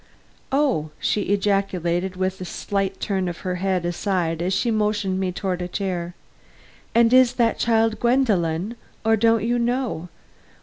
"Oh!" she ejaculated with a slight turn of her head aside as she motioned me toward a chair. "And is that child Gwendolen? Or don't you know?"